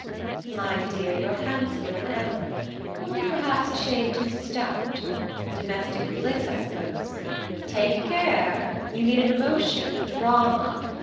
"My dear, you're handsomer than ever; only perhaps a shade too stout. Domestic bliss, I suppose? Take care! You need an emotion, a drama...